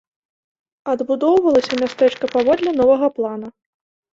Адбудоўвалася мястэчка паводле новага плана.